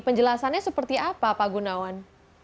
penjelasannya seperti apa pak gunawan